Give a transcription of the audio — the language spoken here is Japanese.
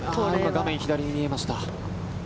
画面左に見えました。